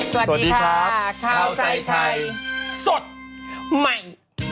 สวัสดีค่ะข้าวใส่ไทยสดใหม่ให้เยอะ